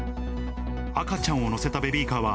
赤ちゃんを乗せたベビーカーは、